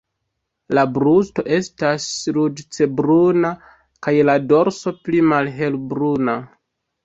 La brusto estas ruĝecbruna kaj la dorso pli malhelbruna.